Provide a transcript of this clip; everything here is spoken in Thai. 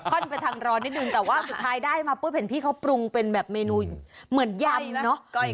ไปทางร้อนนิดนึงแต่ว่าสุดท้ายได้มาปุ๊บเห็นพี่เขาปรุงเป็นแบบเมนูเหมือนยำเนอะ